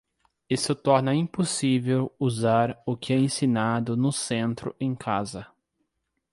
Isso torna impossível usar o que é ensinado no centro em casa.